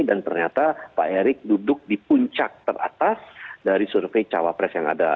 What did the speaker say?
dan ternyata pak erick duduk di puncak teratas dari survei cawapres yang ada